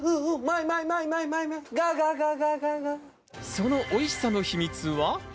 そのおいしさの秘密は。